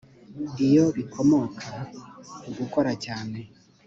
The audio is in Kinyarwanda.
iyo bikomoka ku gukora cyane